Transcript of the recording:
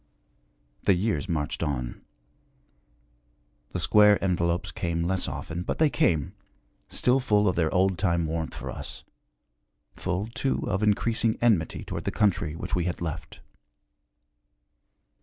The years marched on. The square envelopes came less often, but they came, still full of their old time warmth for us full, too, of increasing enmity toward the country which we had left.